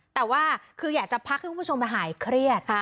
แต่ว่าคืออยากจะพักให้คุณผู้ชมหายเครียด